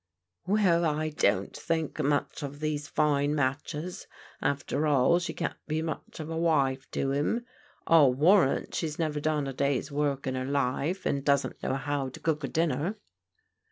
"Well, I don't think much of these fine matches. After all, she can't be much of a wife to 'im. I'll war rant she's never done a day's work in her life, and doesn't know how to cook a dinner."